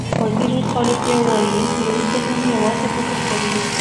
ویز خالیفه وایي لوی ذهن یوازې فکر کوي.